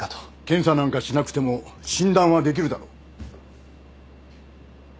検査なんかしなくても診断はできるだろ。